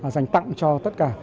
dành tặng cho tất cả